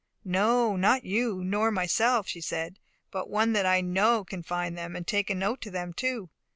"No, not you, nor myself," she said; "but one that I know can find them, and can take a note to them too."